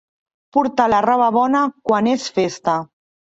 Portar la roba bona quan és festa.